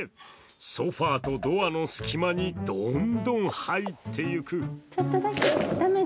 ソファーとドアの隙間にどんどん入っていく。